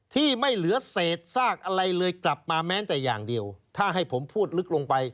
ที่ไม่เหลือเศษซากอะไรเลยกลับมาแม้แต่อย่างเดียวถ้าให้ผมพูดลึกลงไป